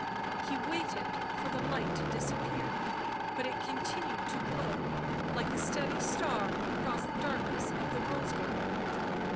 He waited for the light to disappear, but it continued to glow, like a steady star across the darkness of the rose garden.